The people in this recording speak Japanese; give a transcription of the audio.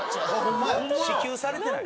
支給されてない。